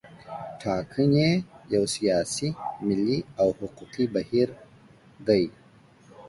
ټاکنې یو سیاسي، ملي او حقوقي بهیر دی.